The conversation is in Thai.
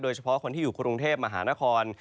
เฉพาะคนที่อยู่กรุงเทพมหานคร